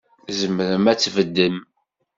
Tzemrem ad tbeddem?